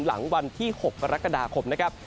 หลังวันที่๖กรกฎาคมนะครับ